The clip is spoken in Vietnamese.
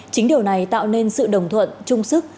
chính điều này tạo nên sự đồng thuận trung sức